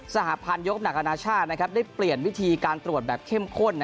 สหพันธ์ยกหนักอนาชาติได้เปลี่ยนวิธีการตรวจแบบเข้มข้น